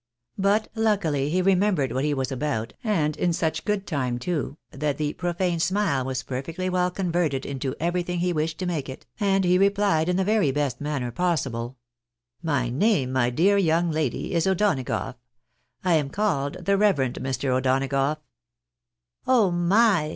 But luckily he remembered what he was about, and in such time too, that the profane smile was per fectly well converted into everything he wished to make it, and he replied in the very best manner possible —" My name, my dear young lady, is O'Donagough. I am called the reverend Mr. O'Donagough." " Oh my